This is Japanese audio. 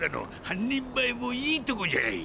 半人前もいいとこじゃい。